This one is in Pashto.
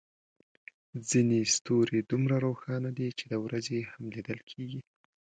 ځینې ستوري دومره روښانه دي چې د ورځې هم لیدل کېږي.